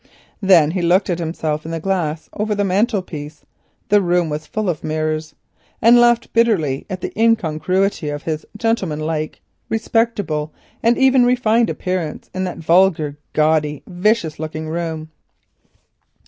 Then he looked at himself in the glass in the mantelpiece—the room was full of mirrors—and laughed bitterly at the incongruity of his gentlemanlike, respectable, and even refined appearance, in that vulgar, gaudy, vicious looking room.